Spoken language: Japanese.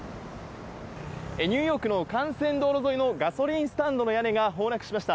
ニューヨークの幹線道路沿いのガソリンスタンドの屋根が崩落しました。